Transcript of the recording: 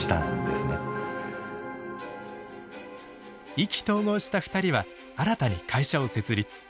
意気投合した２人は新たに会社を設立。